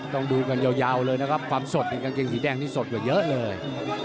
ต้องดูกันยาวเลยนะครับความสดในกางเกงสีแดงนี่สดกว่าเยอะเลย